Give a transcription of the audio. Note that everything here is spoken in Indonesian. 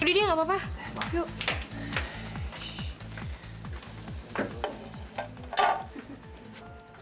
duduk duduk gapapa yuk